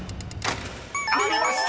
［ありました！］